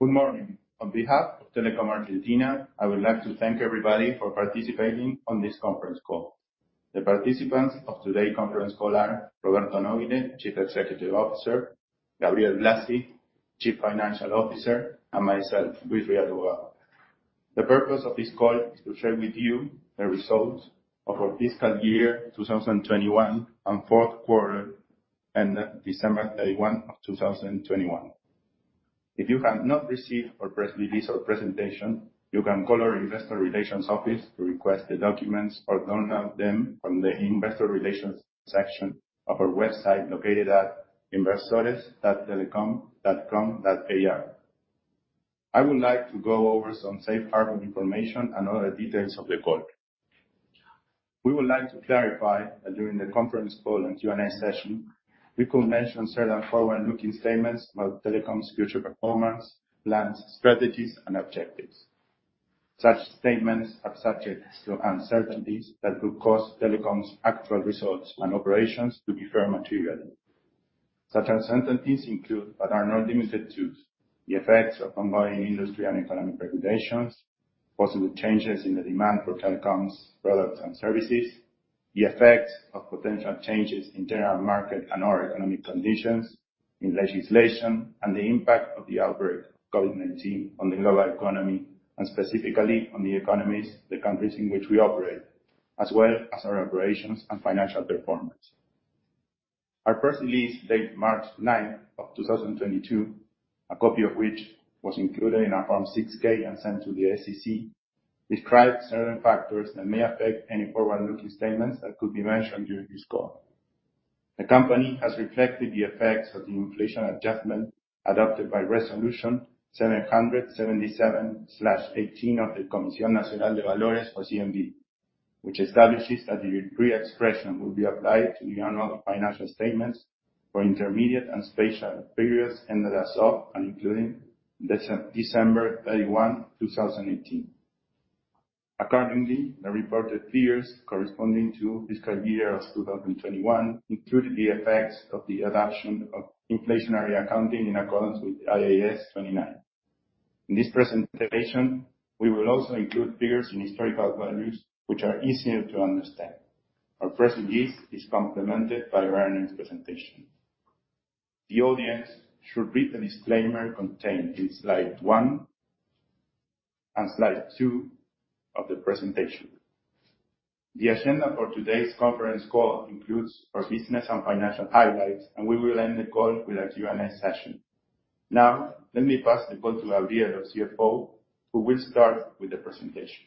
Good morning. On behalf of Telecom Argentina, I would like to thank everybody for participating on this conference call. The participants of today's conference call are Roberto Nobile, Chief Executive Officer, Gabriel Blasi, Chief Financial Officer, and myself, Luis Rial Ubago. The purpose of this call is to share with you the results of our fiscal year 2021 and fourth quarter ended December 31 of 2021. If you have not received our press release or presentation, you can call our investor relations office to request the documents or download them from the investor relations section of our website located at inversores.telecom.com.ar. I would like to go over some safe harbor information and other details of the call. We would like to clarify that during the conference call and Q&A session, we could mention certain forward-looking statements about Telecom's future performance, plans, strategies, and objectives. Such statements are subject to uncertainties that could cause Telecom's actual results and operations to differ materially. Such uncertainties include, but are not limited to, the effects of combined industry and economic regulations, possible changes in the demand for Telecom's products and services, the effects of potential changes in general market and/or economic conditions, in legislation, and the impact of the outbreak of COVID-19 on the global economy and specifically on the economies of the countries in which we operate, as well as our operations and financial performance. Our press release dated March 9, 2022, a copy of which was included in our Form 6-K and sent to the SEC, describes certain factors that may affect any forward-looking statements that could be mentioned during this call. The company has reflected the effects of the inflation adjustment adopted by Resolution 777/18 of the Comisión Nacional de Valores, or CNV, which establishes that the reexpression will be applied to the annual financial statements for intermediate and special periods ended as of and including December 31, 2018. Accordingly, the reported figures corresponding to fiscal year 2021 included the effects of the adoption of inflationary accounting in accordance with IAS 29. In this presentation, we will also include figures in historical values which are easier to understand. Our press release is complemented by our earnings presentation. The audience should read the disclaimer contained in slide one and slide two of the presentation. The agenda for today's conference call includes our business and financial highlights, and we will end the call with a Q&A session. Now, let me pass the call to Gabriel, our CFO, who will start with the presentation.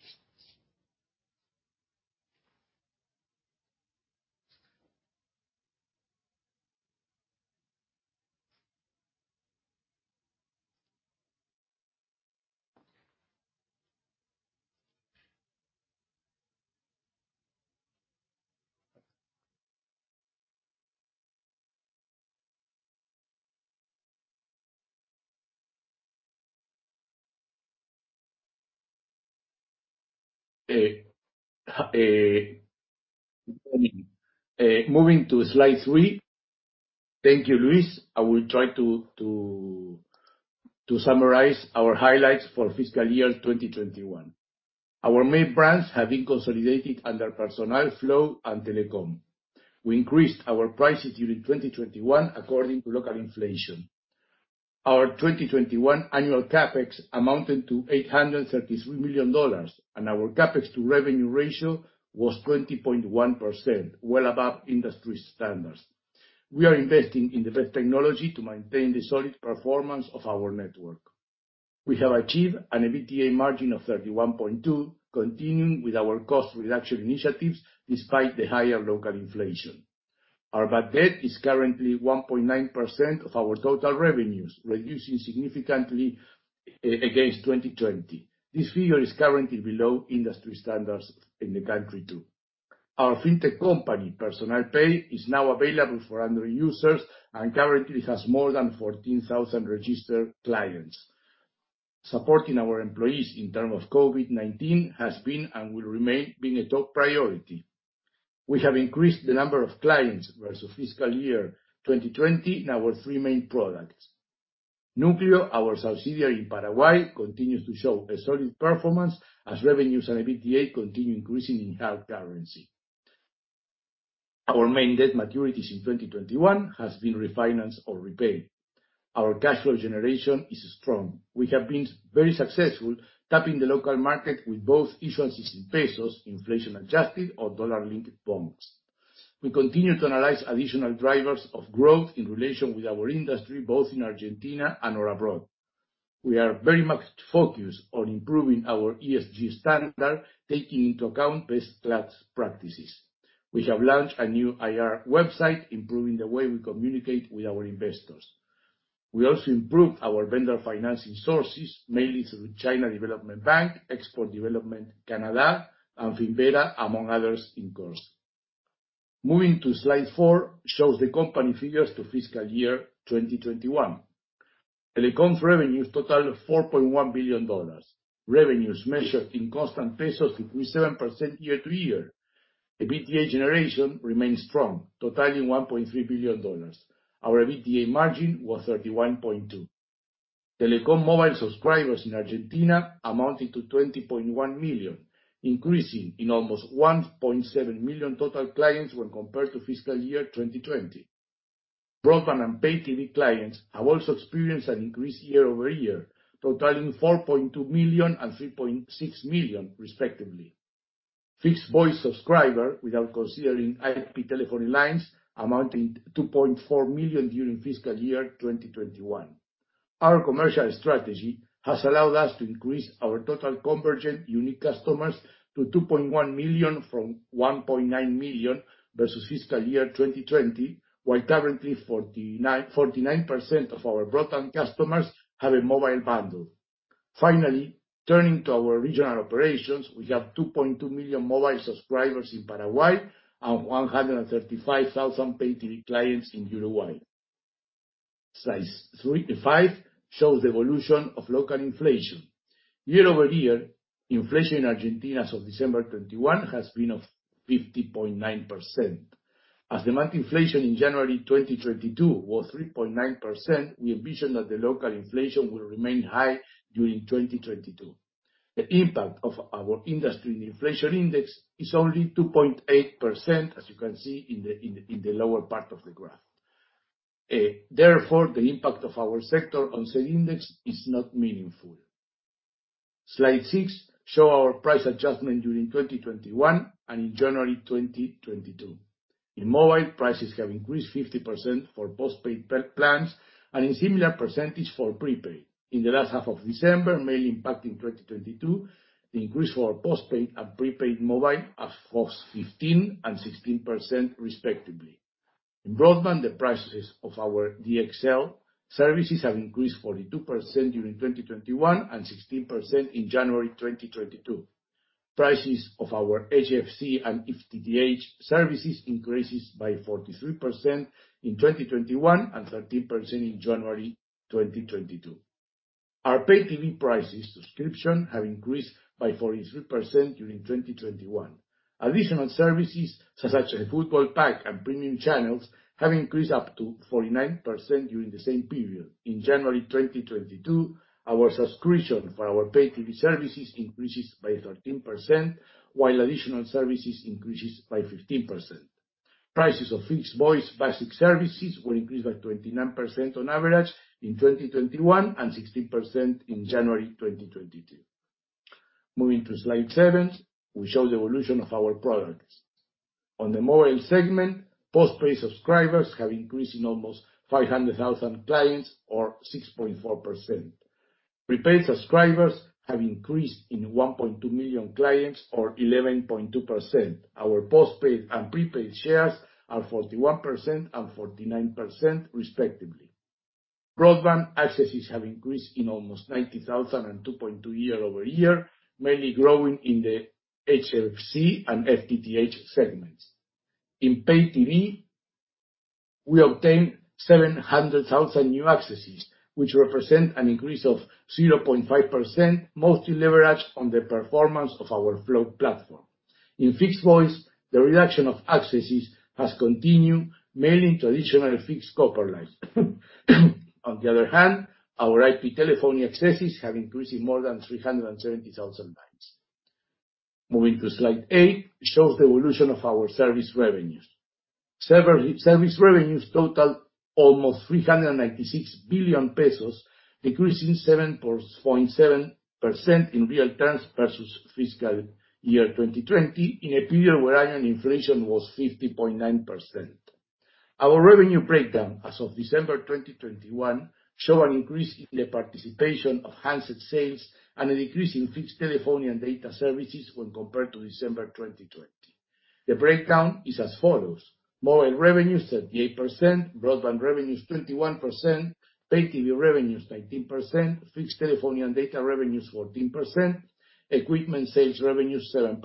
Good morning. Moving to slide three. Thank you, Luis. I will try to summarize our highlights for fiscal year 2021. Our main brands have been consolidated under Personal, Flow, and Telecom. We increased our prices during 2021 according to local inflation. Our 2021 annual CapEx amounted to $833 million, and our CapEx to revenue ratio was 20.1%, well above industry standards. We are investing in the best technology to maintain the solid performance of our network. We have achieved an EBITDA margin of 31.2%, continuing with our cost reduction initiatives despite the higher local inflation. Our bad debt is currently 1.9% of our total revenues, reducing significantly against 2020. This figure is currently below industry standards in the country, too. Our fintech company, Personal Pay, is now available for Android users and currently has more than 14,000 registered clients. Supporting our employees in terms of COVID-19 has been and will remain being a top priority. We have increased the number of clients versus fiscal year 2020 in our three main products. Núcleo, our subsidiary in Paraguay, continues to show a solid performance as revenues and EBITDA continue increasing in hard currency. Our main debt maturities in 2021 has been refinanced or repaid. Our cash flow generation is strong. We have been very successful tapping the local market with both issuances in pesos, inflation adjusted or dollar-linked bonds. We continue to analyze additional drivers of growth in relation with our industry, both in Argentina and/or abroad. We are very much focused on improving our ESG standard, taking into account best class practices. We have launched a new IR website, improving the way we communicate with our investors. We also improved our vendor financing sources, mainly through China Development Bank, Export Development Canada, and Finnvera, among others in course. Moving to slide four shows the company figures for fiscal year 2021. Telecom's revenues totaled $4.1 billion. Revenues measured in constant pesos increased 7% year-over-year. The EBITDA generation remained strong, totaling $1.3 billion. Our EBITDA margin was 31.2%. Telecom mobile subscribers in Argentina amounted to 20.1 million, increasing by almost 1.7 million total clients when compared to fiscal year 2020. Broadband and Pay TV clients have also experienced an increase year-over-year, totaling 4.2 million and 3.6 million respectively. Fixed voice subscribers, without considering IP telephony lines, amounting to 2.4 million during fiscal year 2021. Our commercial strategy has allowed us to increase our total convergent unique customers to 2.1 million, from 1.9 million versus fiscal year 2020, while currently 49% of our broadband customers have a mobile bundle. Finally, turning to our regional operations, we have 2.2 million mobile subscribers in Paraguay and 135,000 Pay TV clients in Uruguay. Slide five shows the evolution of local inflation. Year-over-year, inflation in Argentina as of December 2021 has been 50.9%. As the monthly inflation in January 2022 was 3.9%, we envision that the local inflation will remain high during 2022. The impact of our industry in the inflation index is only 2.8%, as you can see in the lower part of the graph. Therefore, the impact of our sector on said index is not meaningful. Slide six shows our price adjustment during 2021 and in January 2022. In mobile, prices have increased 50% for post-paid plans, and in similar percentage for prepaid. In the last half of December, mainly impacting 2022, the increase for post-paid and prepaid mobile is almost 15% and 16% respectively. In broadband, the prices of our DSL services have increased 42% during 2021, and 16% in January 2022. Prices of our HFC and FTTH services increase by 43% in 2021, and 13% in January 2022. Our Pay TV subscription prices have increased by 43% during 2021. Additional services, such as a football pack and premium channels, have increased up to 49% during the same period. In January 2022, our subscription for our Pay TV services increases by 13%, while additional services increases by 15%. Prices of fixed voice basic services were increased by 29% on average in 2021, and 16% in January 2022. Moving to slide seven, we show the evolution of our products. On the mobile segment, post-paid subscribers have increased by almost 500,000 clients or 6.4%. Prepaid subscribers have increased by 1.2 million clients or 11.2%. Our post-paid and prepaid shares are 41% and 49% respectively. Broadband accesses have increased by almost 90,000 and 2.2% year-over-year, mainly growing in the HFC and FTTH segments. In Pay TV, we obtained 700,000 new accesses, which represent an increase of 0.5%, mostly leveraged on the performance of our Flow platform. In fixed voice, the reduction of accesses has continued, mainly traditional fixed copper lines. On the other hand, our IP telephony accesses have increased by more than 370,000 lines. Moving to slide eight, it shows the evolution of our service revenues. Service revenues totaled almost 396 billion pesos, decreasing 7.7% in real terms versus fiscal year 2020, in a period wherein inflation was 50.9%. Our revenue breakdown as of December 2021 shows an increase in the participation of handset sales and a decrease in fixed telephony and data services when compared to December 2020. The breakdown is as follows. Mobile revenues, 38%; broadband revenues, 21%; Pay TV revenues, 19%; fixed telephony and data revenues, 14%; equipment sales revenues, 7%.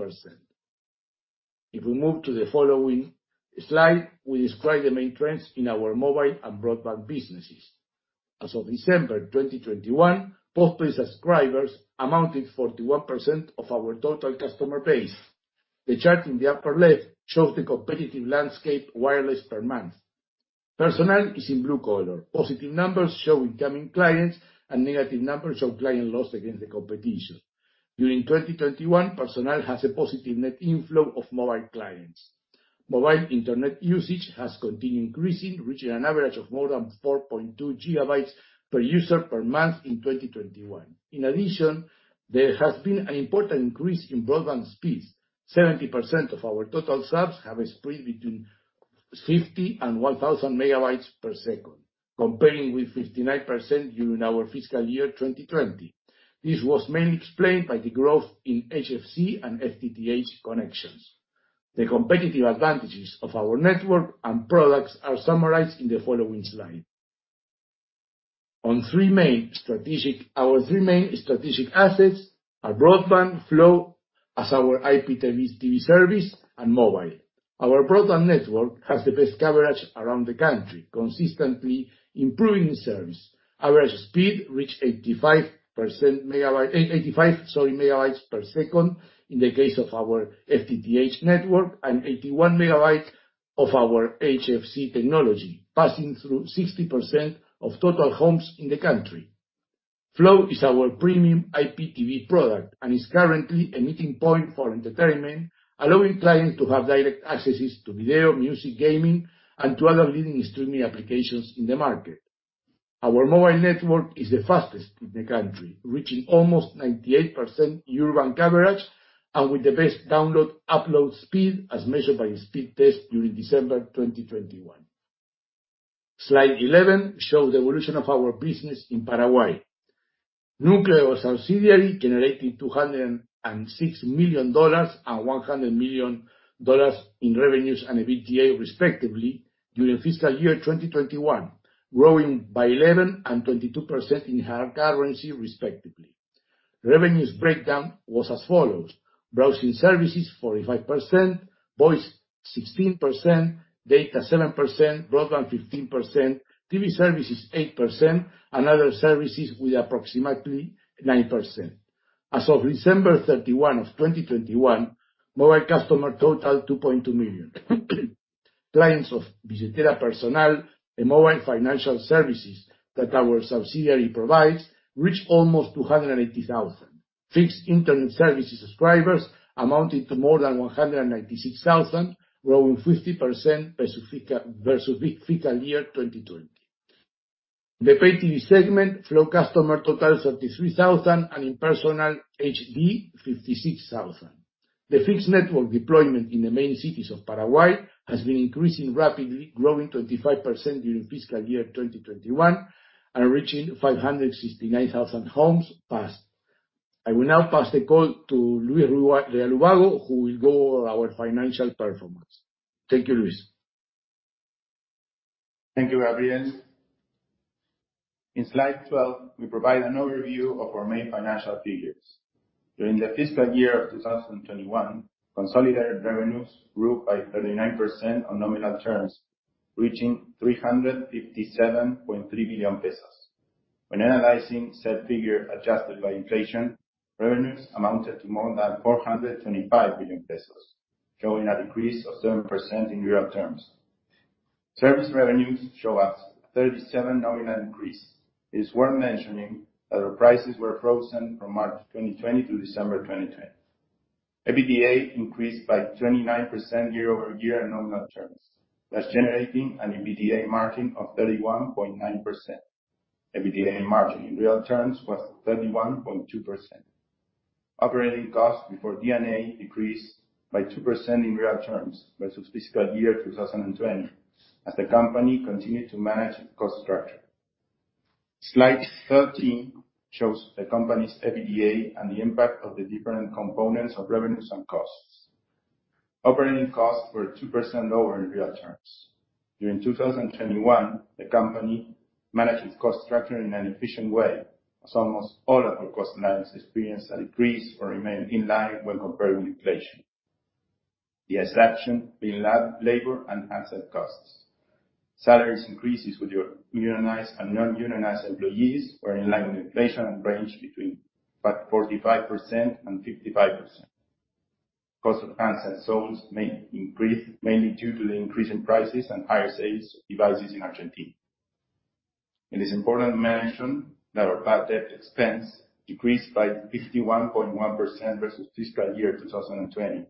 If we move to the following slide, we describe the main trends in our mobile and broadband businesses. As of December 2021, post-paid subscribers amounted to 41% of our total customer base. The chart in the upper left shows the competitive landscape wireless per month. Personal is in blue color. Positive numbers show incoming clients, and negative numbers show client loss against the competition. During 2021, Personal has a positive net inflow of mobile clients. Mobile internet usage has continued increasing, reaching an average of more than 4.2 GB per user per month in 2021. In addition, there has been an important increase in broadband speeds. 70% of our total subs have a speed between 50 and 1,000 MB/s, comparing with 59% during our fiscal year 2020. This was mainly explained by the growth in HFC and FTTH connections. The competitive advantages of our network and products are summarized in the following slide. Our three main strategic assets are broadband, Flow, as our IPTV service, and mobile. Our broadband network has the best coverage around the country, consistently improving service. Average speed reaches 85 MB/s in the case of our FTTH network and 81 MB of our HFC technology, passing through 60% of total homes in the country. Flow is our premium IPTV product and is currently a meeting point for entertainment, allowing clients to have direct access to video, music, gaming, and to other leading streaming applications in the market. Our mobile network is the fastest in the country, reaching almost 98% urban coverage and with the best download, upload speed as measured by Speedtest during December 2021. Slide 11 shows the evolution of our business in Paraguay. Núcleo's subsidiary generated $206 million and $100 million in revenues and EBITDA respectively during fiscal year 2021, growing by 11% and 22% in hard currency respectively. Revenues breakdown was as follows. Browsing services 45%, voice 16%, data 7%, broadband 15%, TV services 8%, and other services with approximately 9%. As of December 31, 2021, mobile customer total 2.2 million. Clients of Billetera Personal, a mobile financial services that our subsidiary provides, reached almost 280,000. Fixed Internet services subscribers amounted to more than 196,000, growing 50% versus fiscal year 2020. The pay-TV segment, Flow customer total 33,000, and in Personal HD, 56,000. The fixed network deployment in the main cities of Paraguay has been increasing rapidly, growing 25% during fiscal year 2021 and reaching 569,000 homes passed. I will now pass the call to Luis Rial Ubago, who will go over our financial performance. Thank you, Luis. Thank you, Gabriel. In slide 12, we provide an overview of our main financial figures. During the fiscal year 2021, consolidated revenues grew by 39% on nominal terms, reaching 357.3 billion pesos. When analyzing said figure adjusted by inflation, revenues amounted to more than 425 billion pesos, showing a decrease of 7% in real terms. Service revenues show a 37% nominal increase. It is worth mentioning that our prices were frozen from March 2020 to December 2020. EBITDA increased by 29% year-over-year in nominal terms, thus generating an EBITDA margin of 31.9%. EBITDA margin in real terms was 31.2%. Operating costs before D&A decreased by 2% in real terms versus fiscal year 2020 as the company continued to manage its cost structure. Slide 13 shows the company's EBITDA and the impact of the different components of revenues and costs. Operating costs were 2% lower in real terms. During 2021, the company managed its cost structure in an efficient way, as almost all of our cost lines experienced a decrease or remained in line when compared with inflation. The exception being labor and handset costs. Salary increases for our unionized and non-unionized employees were in line with inflation and ranged between 45% and 55%. Cost of handset sales increased mainly due to the increase in prices and higher sales of devices in Argentina. It is important to mention that our bad debt expense decreased by 51.1% versus fiscal year 2020,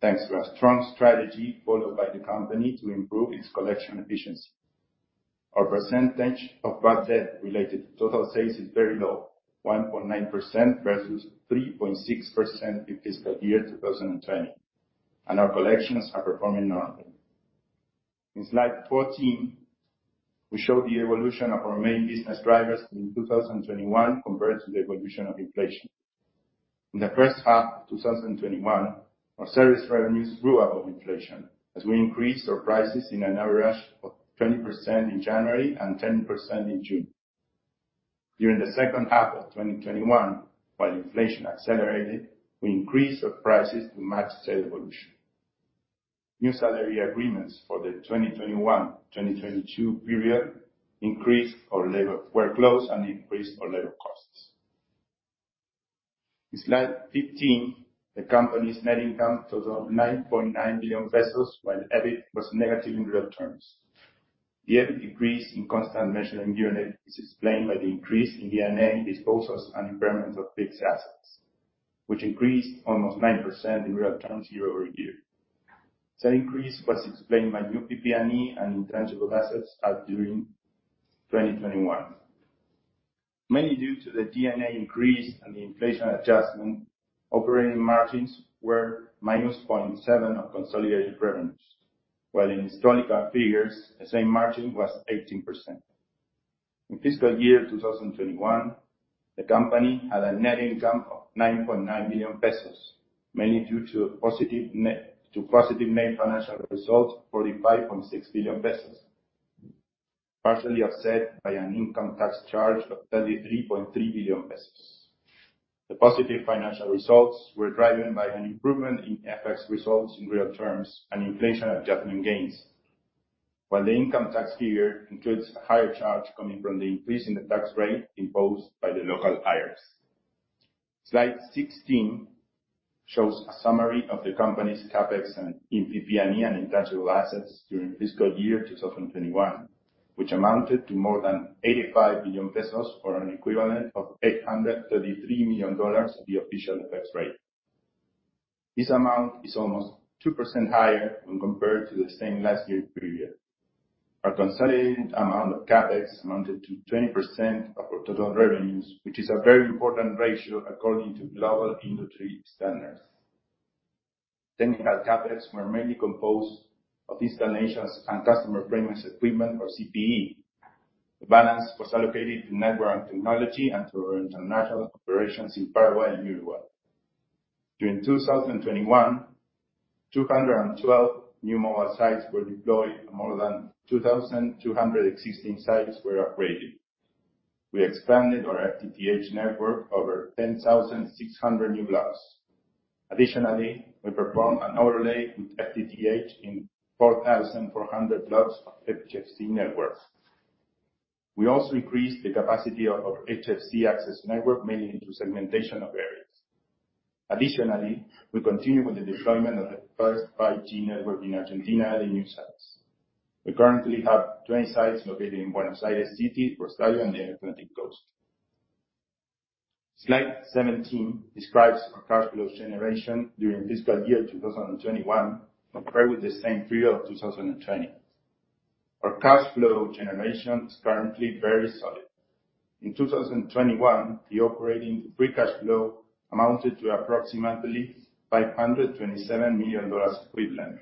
thanks to a strong strategy followed by the company to improve its collection efficiency. Our percentage of bad debt related to total sales is very low, 1.9% versus 3.6% in fiscal year 2020, and our collections are performing normally. In slide 14, we show the evolution of our main business drivers in 2021 compared to the evolution of inflation. In the first half of 2021, our service revenues grew above inflation as we increased our prices in an average of 20% in January and 10% in June. During the second half of 2021, while inflation accelerated, we increased our prices to match sales evolution. New salary agreements for the 2021/2022 period increased our labor workloads and increased our labor costs. In slide 15, the company's net income totaled 9.9 billion pesos when EBIT was negative in real terms. The EBIT decrease in constant measuring unit is explained by the increase in D&A disposals and impairments of fixed assets, which increased almost 9% in real terms year-over-year. Said increase was explained by new PP&E and intangible assets added during 2021. Mainly due to the D&A increase and the inflation adjustment, operating margins were -0.7% of consolidated revenues, while in historical figures, the same margin was 18%. In fiscal year 2021, the company had a net income of 9.9 billion pesos, mainly due to positive monetary financial results, 45.6 billion pesos. Partially offset by an income tax charge of 33.3 billion pesos. The positive financial results were driven by an improvement in FX results in real terms and inflation adjustment gains. While the income tax figure includes a higher charge coming from the increase in the tax rate imposed by the local IRS. Slide 16 shows a summary of the company's CapEx and PP&E and intangible assets during fiscal year 2021, which amounted to more than 85 billion pesos or an equivalent of $833 million at the official FX rate. This amount is almost 2% higher when compared to the same last year period. Our consolidated amount of CapEx amounted to 20% of our total revenues, which is a very important ratio according to global industry standards. Technical CapEx were mainly composed of installations and customer premises equipment or CPE. The balance was allocated to network and technology and to our international operations in Paraguay and Uruguay. During 2021, 212 new mobile sites were deployed and more than 2,200 existing sites were upgraded. We expanded our FTTH network over 10,600 new blocks. Additionally, we performed an overlay with FTTH in 4,400 blocks of HFC networks. We also increased the capacity of our HFC access network, mainly through segmentation of areas. Additionally, we continue with the deployment of the first 5G network in Argentina at the new sites. We currently have 20 sites located in Buenos Aires City, Rosario, and the Atlantic Coast. Slide 17 describes our cash flow generation during fiscal year 2021 compared with the same period of 2020. Our cash flow generation is currently very solid. In 2021, the operating free cash flow amounted to approximately $527 million equivalent.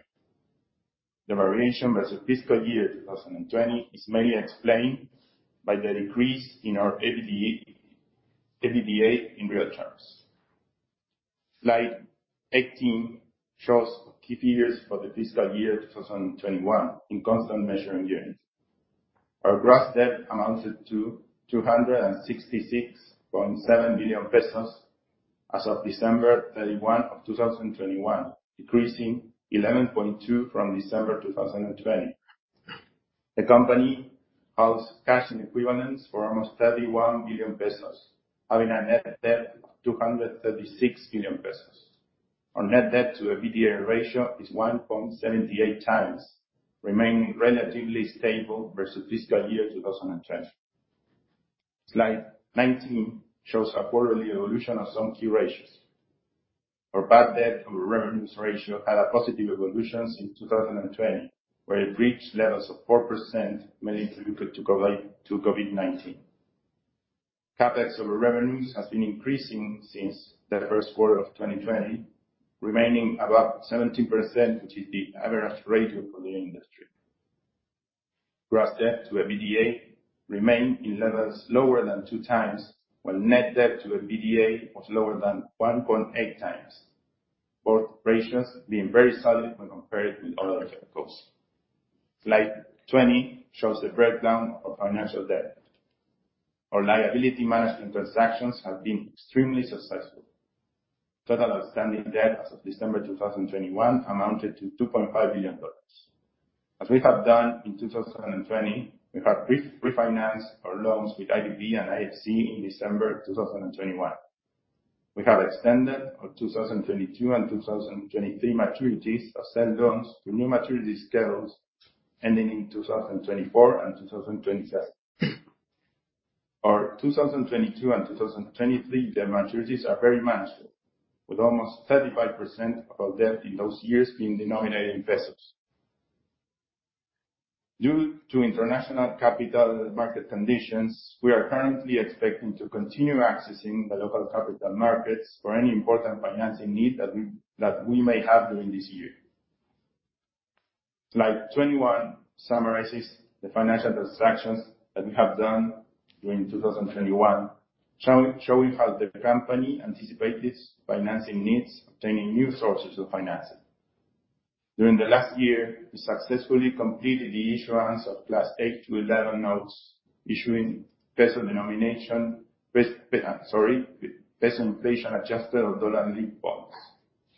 The variation versus fiscal year 2020 is mainly explained by the decrease in our EBITDA in real terms. Slide 18 shows key figures for the fiscal year 2021 in constant measuring units. Our gross debt amounted to 266.7 billion pesos as of December 31, 2021, decreasing 11.2% from December 2020. The company holds cash and equivalents for almost 31 billion pesos, having a net debt of 236 billion pesos. Our net debt to EBITDA ratio is 1.78x, remaining relatively stable versus fiscal year 2020. Slide 19 shows a quarterly evolution of some key ratios. Our bad debt over revenues ratio had a positive evolution since 2020, where it reached levels of 4%, mainly attributed to COVID-19. CapEx over revenues has been increasing since the first quarter of 2020, remaining above 17%, which is the average ratio for the industry. Gross debt to EBITDA remained in levels lower than 2x, while net debt to EBITDA was lower than 1.8x. Both ratios being very solid when compared with other verticals. Slide 20 shows the breakdown of financial debt. Our liability management transactions have been extremely successful. Total outstanding debt as of December 2021 amounted to $2.5 billion. As we have done in 2020, we have refinanced our loans with IDB and IFC in December 2021. We have extended our 2022 and 2023 maturities of sell loans to new maturity schedules ending in 2024 and 2027. Our 2022 and 2023 debt maturities are very manageable, with almost 35% of our debt in those years being denominated in pesos. Due to international capital market conditions, we are currently expecting to continue accessing the local capital markets for any important financing need that we may have during this year. Slide 21 summarizes the financial transactions that we have done during 2021, showing how the company anticipated financing needs, obtaining new sources of financing. During the last year, we successfully completed the issuance of class eight to 11 notes, issuing peso-denominated, peso inflation-adjusted or dollar-linked bonds.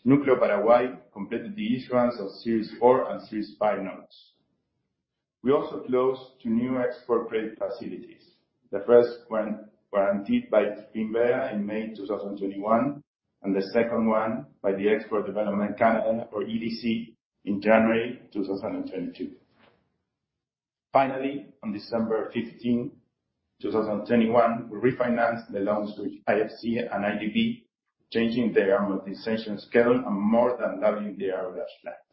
Núcleo Paraguay completed the issuance of series four and five notes. We also closed two new export credit facilities. The first one guaranteed by Finnvera in May 2021, and the second one by Export Development Canada, or EDC, in January 2022. Finally, on December 15, 2021, we refinanced the loans with IFC and IDB, changing their amortization schedule and more than doubling their original loans.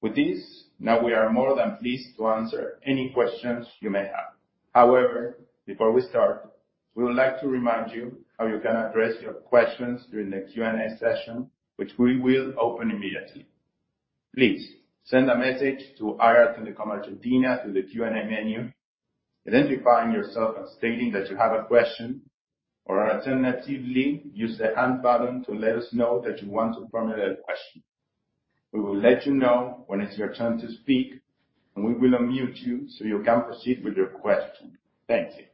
With this, we are more than pleased to answer any questions you may have. However, before we start, we would like to remind you how you can address your questions during the Q&A session, which we will open immediately. Please send a message to IR Telecom Argentina through the Q&A menu. Identifying yourself and stating that you have a question, or alternatively, use the Hand button to let us know that you want to formulate a question. We will let you know when it's your turn to speak, and we will unmute you so you can proceed with your question. Thank you.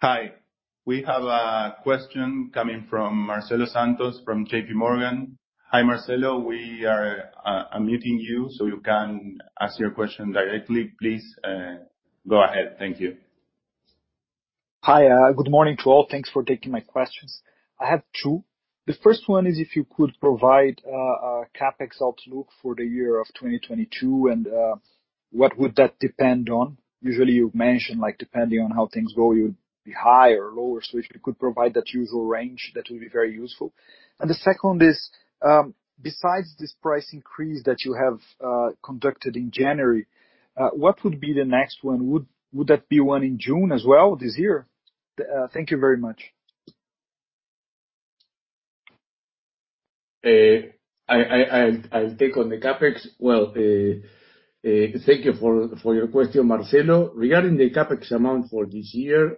Hi. We have a question coming from Marcelo Santos from JPMorgan. Hi, Marcelo. We are unmuting you so you can ask your question directly, please go ahead. Thank you. Hi. Good morning to all. Thanks for taking my questions. I have two. The first one is if you could provide a CapEx outlook for the year of 2022, and what would that depend on? Usually, you've mentioned, like, depending on how things go, it would be higher or lower. So if you could provide that usual range, that would be very useful. The second is, besides this price increase that you have conducted in January, what would be the next one? Would that be one in June as well this year? Thank you very much. I'll take on the CapEx. Well, thank you for your question, Marcelo. Regarding the CapEx amount for this year,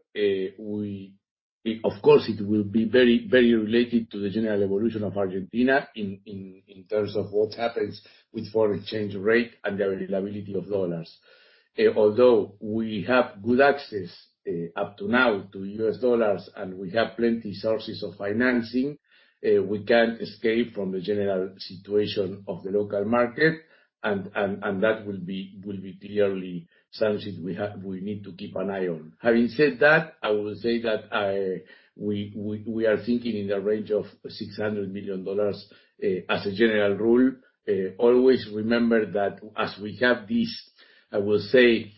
of course, it will be very related to the general evolution of Argentina in terms of what happens with foreign exchange rate and the availability of dollars. Although we have good access up to now to U.S. dollars, and we have plenty sources of financing, we can't escape from the general situation of the local market. That will be clearly something we need to keep an eye on. Having said that, I will say that we are thinking in the range of $600 million, as a general rule. Always remember that as we have this, I will say,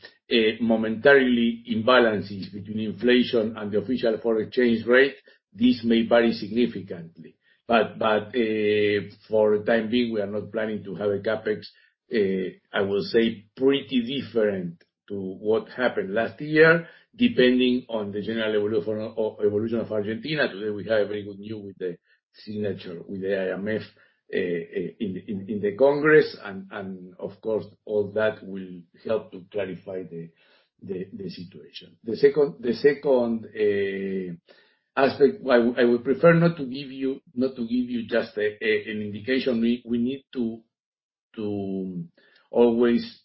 momentary imbalances between inflation and the official foreign exchange rate, this may vary significantly. For the time being, we are not planning to have a CapEx, I will say, pretty different to what happened last year, depending on the general evolution of Argentina. Today, we have very good news with the signature with the IMF in the Congress. Of course, all that will help to clarify the situation. The second aspect I would prefer not to give you just an indication. We need to always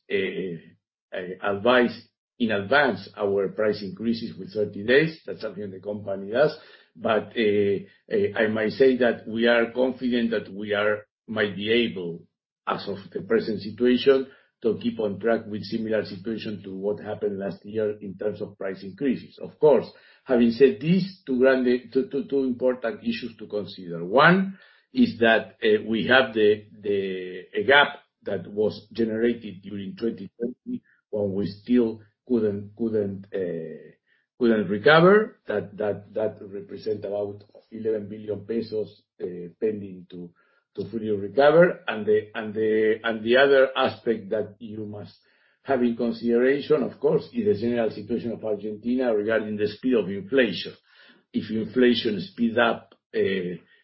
advise in advance our price increases with 30 days. That's something the company does. I might say that we are confident we might be able, as of the present situation, to keep on track with similar situation to what happened last year in terms of price increases. Of course, having said this, two important issues to consider. One is that we have a gap that was generated during 2020, when we still couldn't recover. That represent about 11 billion pesos pending to fully recover. The other aspect that you must have in consideration, of course, is the general situation of Argentina regarding the speed of inflation. If inflation speeds up,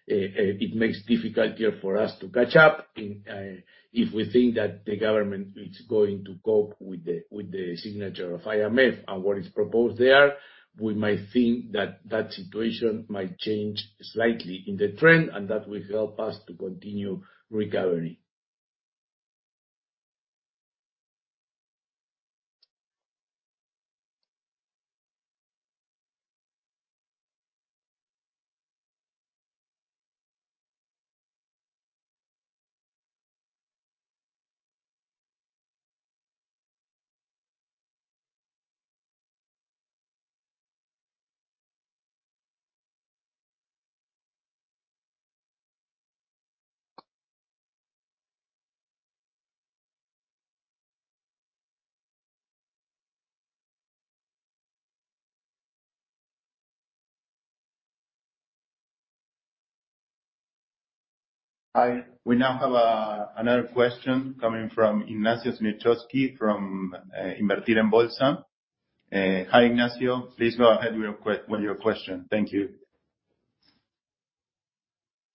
it makes difficult year for us to catch up. If we think that the government is going to cope with the signature of IMF and what is proposed there, we might think that that situation might change slightly in the trend, and that will help us to continue recovery. Hi. We now have another question coming from Ignacio Smitrowski from Invertir en Bolsa. Hi, Ignacio. Please go ahead with your question. Thank you.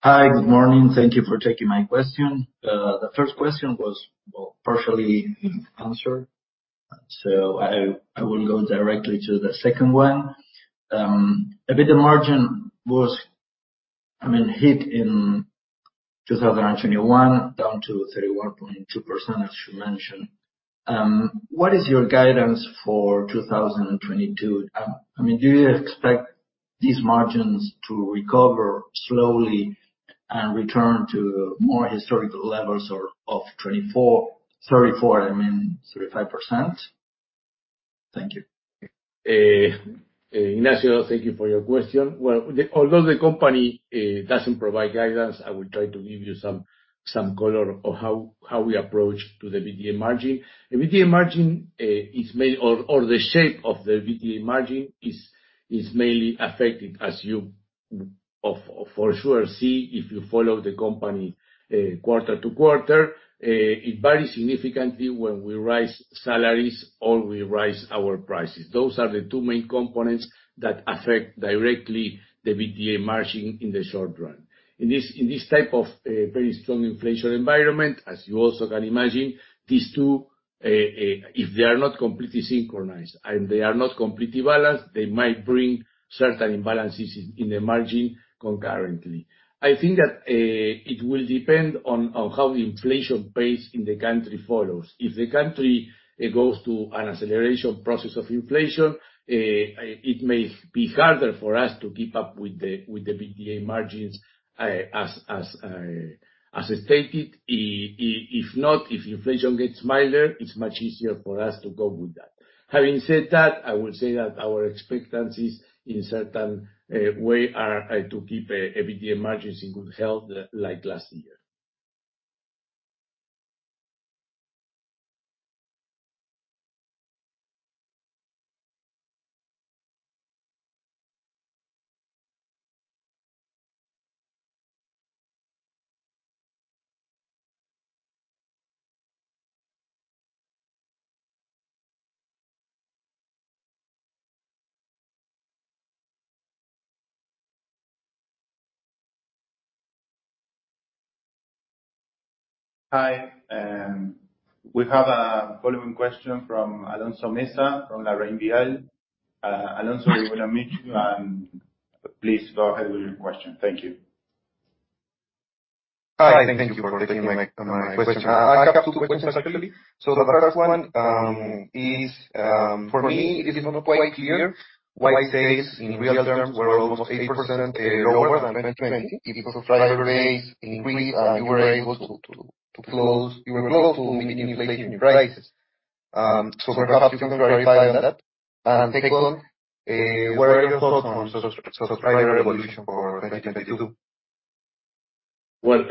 Hi. Good morning. Thank you for taking my question. The first question was, well, partially answered, so I will go directly to the second one. EBITDA margin was, I mean, hit in- 2021, down to 31.2%, as you mentioned. What is your guidance for 2022? I mean, do you expect these margins to recover slowly and return to more historical levels or 34%-35%? Thank you. Ignacio, thank you for your question. Well, although the company doesn't provide guidance, I will try to give you some color on how we approach the EBITDA margin. The EBITDA margin, or the shape of the EBITDA margin, is mainly affected as you for sure see if you follow the company quarter to quarter. It varies significantly when we raise salaries or we raise our prices. Those are the two main components that affect directly the EBITDA margin in the short run. In this type of very strong inflation environment, as you also can imagine, these two if they are not completely synchronized and they are not completely balanced, they might bring certain imbalances in the margin concurrently. I think that it will depend on how the inflation pace in the country follows. If the country goes to an acceleration process of inflation, it may be harder for us to keep up with the EBITDA margins, as I stated. If not, if inflation gets milder, it's much easier for us to go with that. Having said that, I will say that our expectancies in certain way are to keep EBITDA margins in good health like last year. Hi, we have a following question from Alonso Meza, from LarrainVial. Alonso, we will unmute you and please go ahead with your question. Thank you. Hi, thank you for taking my question. I have two questions actually. The first one, for me it is not quite clear why sales in real terms were almost 8% lower than in 2020. If it was a price increase and you were able to maintain prices. Perhaps you can clarify that. Second, what are your thoughts on subscription for 2022? Well,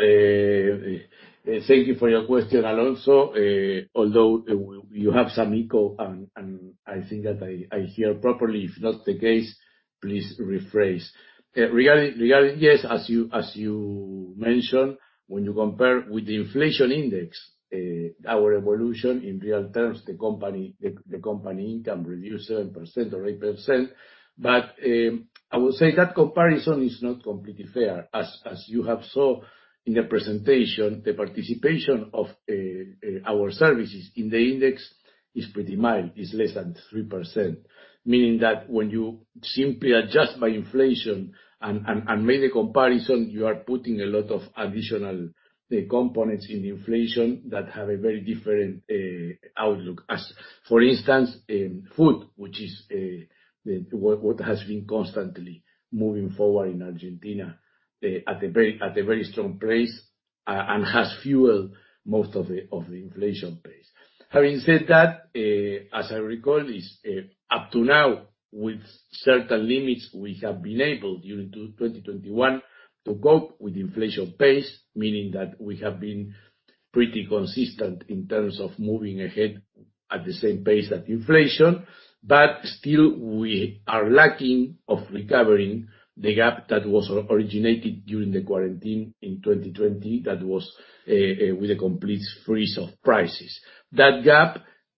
thank you for your question, Alonso. Although you have some echo and I think that I hear properly, if not the case, please rephrase. Regarding, yes, as you mentioned, when you compare with the inflation index, our evolution in real terms, the company income reduced 7% or 8%. I would say that comparison is not completely fair. As you have saw in the presentation, the participation of our services in the index is pretty mild, is less than 3%. Meaning that when you simply adjust by inflation and make a comparison, you are putting a lot of additional components in inflation that have a very different outlook. For instance, food, which is what has been constantly moving forward in Argentina at a very strong pace and has fueled most of the inflation pace. Having said that, as I recall, up to now, with certain limits, we have been able during 2021 to cope with inflation pace, meaning that we have been pretty consistent in terms of moving ahead at the same pace that inflation. Still we are lacking of recovering the gap that was originated during the quarantine in 2020 that was with a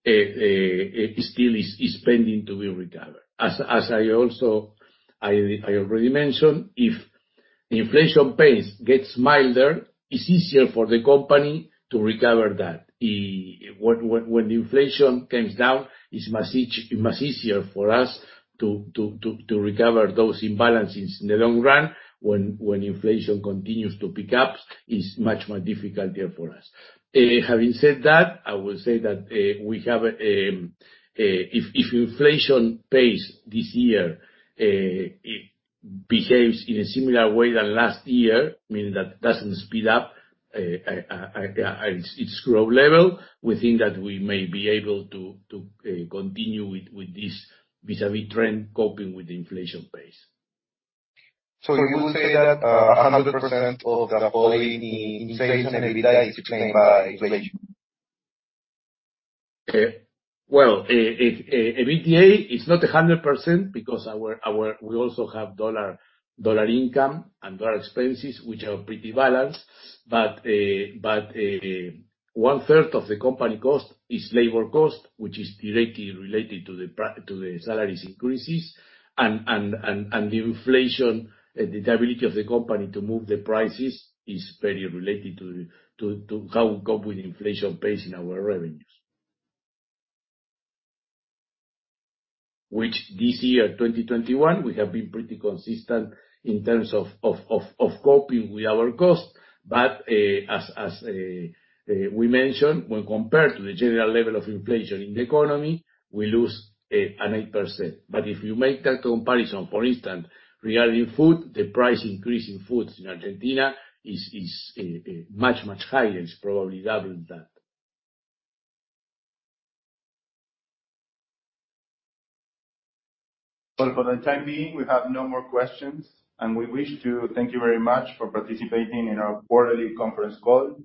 complete freeze of prices. That gap still is pending to be recovered. As I also already mentioned, if inflation pace gets milder, it's easier for the company to recover that. When the inflation comes down, it's much easier for us to recover those imbalances in the long run. When inflation continues to pick up, it's much more difficult therefore for us. Having said that, if inflation pace this year behaves in a similar way to last year, meaning that it doesn't speed up its growth level, we think that we may be able to continue with this vis-a-vis trend, coping with the inflation pace. You will say that 100% of the fall in inflation and EBITDA is explained by inflation? EBITDA is not 100% because we also have dollar income and dollar expenses, which are pretty balanced. 1/3 of the company cost is labor cost, which is directly related to the salaries increases and the inflation. The ability of the company to move the prices is very related to how we cope with inflation pace in our revenues. This year, 2021, we have been pretty consistent in terms of coping with our costs. As we mentioned, when compared to the general level of inflation in the economy, we lose an 8%. If you make that comparison, for instance, regarding food, the price increase in foods in Argentina is much higher. It's probably double that. Well, for the time being, we have no more questions, and we wish to thank you very much for participating in our quarterly conference call.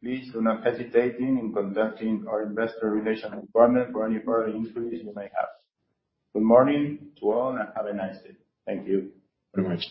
Please do not hesitate in contacting our investor relations department for any further inquiries you may have. Good morning to all, and have a nice day. Thank you very much.